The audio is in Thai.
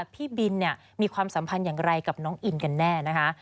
พี่บินมีความสัมพันธ์อย่างไรกับน้องอินกันแน่นะคะ